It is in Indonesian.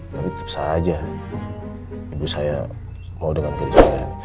tapi tetep saja ibu saya mau dengan gadis pilihan ini